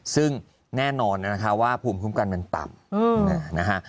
ซึ่งแน่นอนว่าภูมิคุ้มกันเป็นต่ำ